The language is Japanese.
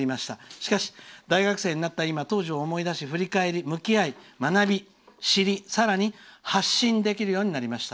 しかし、大学生になった今当時を思い出し、振り返り向き合い、学び、知りさらに発信できるようになりました。